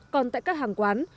còn tại các hàng quán